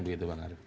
begitu pak garif